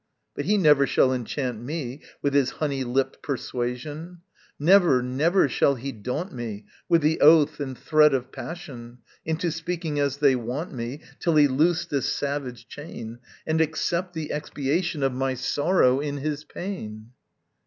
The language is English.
But he never shall enchant me With his honey lipped persuasion; Never, never shall he daunt me With the oath and threat of passion Into speaking as they want me, Till he loose this savage chain, And accept the expiation Of my sorrow, in his pain.